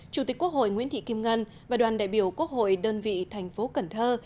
chủ tịch quốc hội nguyễn thị kim ngân và đoàn đại biểu quốc hội đơn vị thành phố cần thơ